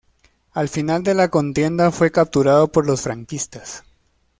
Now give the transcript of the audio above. Al final de la contienda fue capturado por los franquistas.